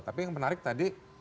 tapi yang menarik tadi